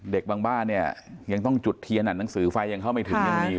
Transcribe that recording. บางบ้านเนี่ยยังต้องจุดเทียนหนังสือไฟยังเข้าไม่ถึงยังมีอยู่